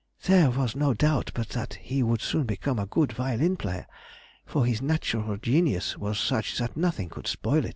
There was no doubt but that he would soon become a good violin player, for his natural genius was such that nothing could spoil it."